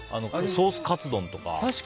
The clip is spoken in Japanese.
ソースかつ丼とか。